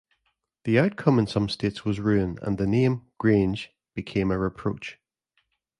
The outcome in some states was ruin, and the name, Grange, became a reproach.